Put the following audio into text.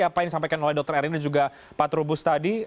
apa yang disampaikan oleh dr erin dan juga pak trubus tadi